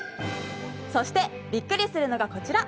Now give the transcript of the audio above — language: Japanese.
そしてびっくりするのがこちら。